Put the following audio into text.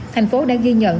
thành phố đã ghi nhận